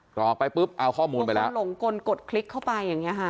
กรอกไปเอาข้อมูลไปแล้วพวกเขาหลงกลกดคลิกเข้าไปอย่างนี้